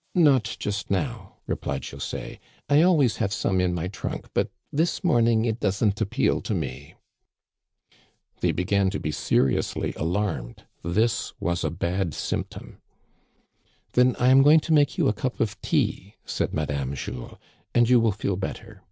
" Not just now," replied José, " I always have some Digitized by VjOOQIC 284 THE CANADIANS OF OLD. in my trunk, but this morning it doesn't ^appeal to me. They began to be seriously alarmed ; this was a bad symptom. Then I am going to make you a cup of tea," said Madame Jules, "and you will feel better."